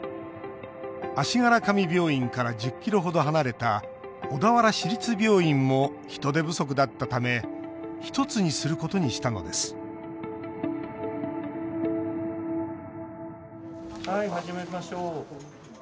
足柄上病院から１０ｋｍ程離れた小田原市立病院も人手不足だったため１つにすることにしたのですはい、始めましょう。